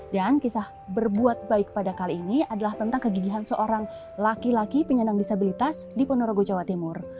dan kisah berbuat baik pada kali ini adalah tentang kegigihan seorang laki laki penyandang disabilitas di ponorogo jawa timur